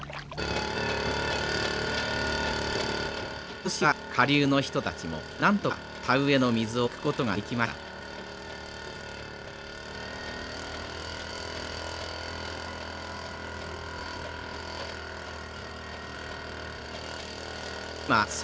今年は下流の人たちもなんとか田植えの水を引くことができました。